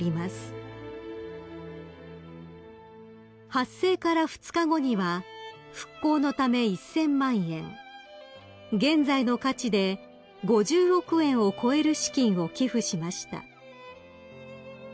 ［発生から２日後には復興のため１，０００万円現在の価値で５０億円を超える資金を寄付しました］